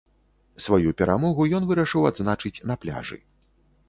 Сваю перамогу ён вырашыў адзначыць на пляжы.